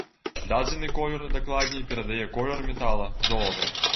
Дадзены колер дакладней перадае колер метала-золата.